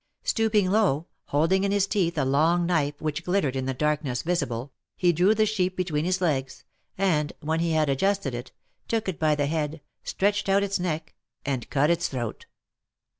Stooping low, holding in his teeth a long knife, which glittered in the "darkness visible," he drew the sheep between his legs, and, when he had adjusted it, took it by the head, stretched out its neck, and cut its throat.